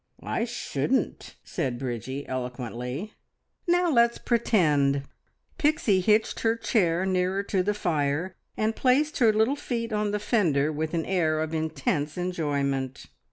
"I shouldn't!" said Bridgie eloquently. "Now let's pretend!" Pixie hitched her chair nearer to the fire, and placed her little feet on the fender with an air of intense enjoyment.